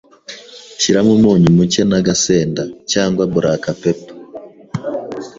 Shyiramo umunyu mucye n’agasenda, cyangwa black pepper,